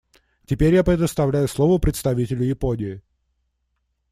Теперь я предоставляю слово представителю Японии.